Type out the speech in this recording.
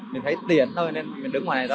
mình thấy tiện thôi nên mình đứng ngoài thôi